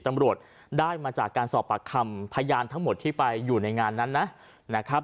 ตำรวจได้มาจากการสอบปากคำพยานทั้งหมดที่ไปอยู่ในงานนั้นนะครับ